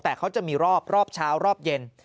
แต่เขาจะมีรอบรอบเช้ารอบเย็น